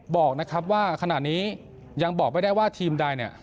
บอกนะครับว่าขณะนี้ยังบอกไม่ได้ว่าทีมใดเนี่ย